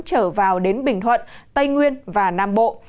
trở vào đến bình thuận tây nguyên và nam bộ